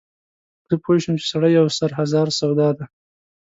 زه پوی شوم چې سړی یو سر هزار سودا دی.